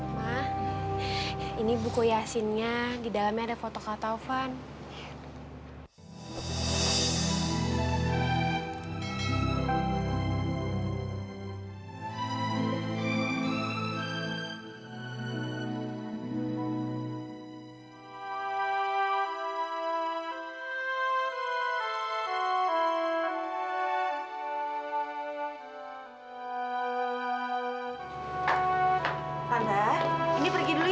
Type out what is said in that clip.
sabar ya kak fadil